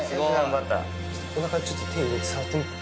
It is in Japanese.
おなか、ちょっと手入れて、触ってみて。